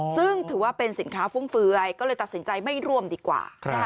ซึ่งถือว่าเป็นสินค้าฟุ่มเฟือยก็เลยตัดสินใจไม่ร่วมดีกว่า